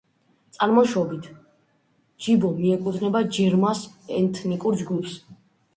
წარმოშობით ჯიბო მიეკუთვნება ჯერმას ეთნიკურ ჯგუფს.